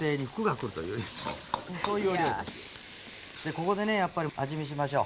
ここでねやっぱり味見しましょう。